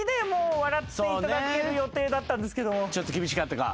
ちょっと厳しかったか？